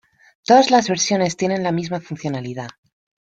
Todas las versiones tienen la misma funcionalidad.